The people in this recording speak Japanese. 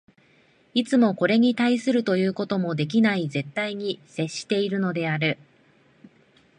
いつもこれに対するということもできない絶対に接しているのである。